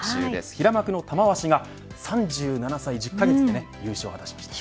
平幕の玉鷲が３７歳１０カ月で優勝を果たしました。